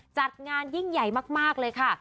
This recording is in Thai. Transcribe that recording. จัดงานยิ่งใหญ่มากเลยค่ะ